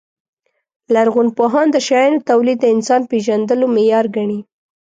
لرغونپوهان د شیانو تولید د انسان پېژندلو معیار ګڼي.